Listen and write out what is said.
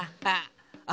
あ！